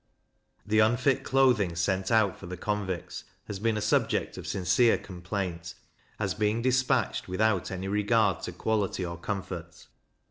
The unfit clothing sent out for the convicts has been a subject of sincere complaint, as being dispatched without any regard to quality or comfort.